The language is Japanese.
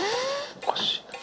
おかしいな。